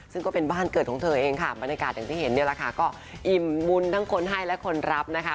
ซึ่งก็เป็นว้านเกิดของเธอเองค่ะบรรณกาศที่เห็นด้วยล่ะค่ะก็อิ่มมุลทั้งคนให้และคนรับนะคะ